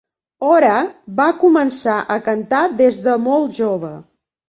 Ora va començar a cantar des de molt jove.